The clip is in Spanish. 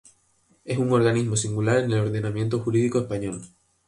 Es un organismo singular en el ordenamiento jurídico español.